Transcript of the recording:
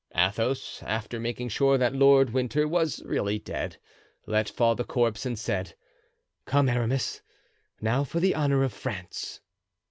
Athos, after making sure that Lord Winter was really dead, let fall the corpse and said: "Come, Aramis, now for the honor of France!"